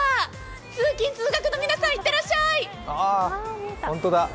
通勤・通学の皆さん、いってらっしゃーい！